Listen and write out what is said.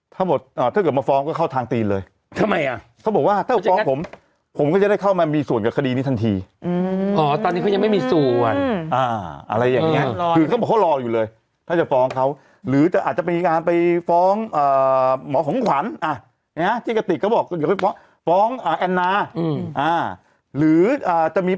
ถ้าเกิดมาฟ้องก็เข้าทางตีนเลยทำไมอ่ะเขาบอกว่าถ้าฟ้องผมผมก็จะได้เข้ามามีส่วนกับคดีนี้ทันทีตอนนี้เขายังไม่มีส่วนอะไรอย่างเงี้ยคือเขาบอกเขารออยู่เลยถ้าจะฟ้องเขาหรือจะอาจจะมีงานไปฟ้องหมอของขวัญที่กระติกก็บอกเดี๋ยวไปฟ้องฟ้องแอนนาหรือจะมี